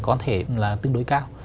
có thể là tương đối cao